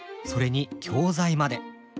それに教材まで。